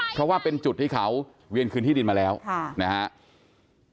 เพราะว่าเป็นจุดที่เขาเวียนคืนที่ดินมาแล้วนะครับ